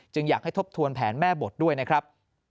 อยากให้ทบทวนแผนแม่บทด้วยนะครับ